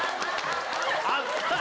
あった！